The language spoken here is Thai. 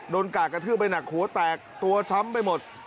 กาดกระทืบไปหนักหัวแตกตัวช้ำไปหมด